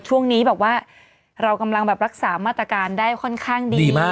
ช่วงนี้แบบว่าเรากำลังแบบรักษามาตรการได้ค่อนข้างดี